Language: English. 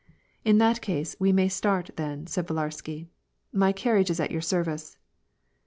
"In that case, we may start, then," said Villarsky. "My carriage is at your service."